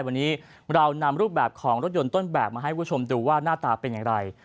วันนี้เรานำรูปแบบของรถยนต์ต้นแบบมาให้คุณผู้ชมดูว่าหน้าตาเป็นอย่างไร